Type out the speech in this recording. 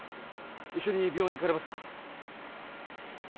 一緒に病院行かれますか？